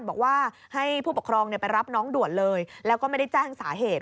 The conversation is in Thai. บอกว่าให้ผู้ปกครองไปรับน้องด่วนเลยแล้วก็ไม่ได้แจ้งสาเหตุ